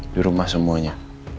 di rumah semuanya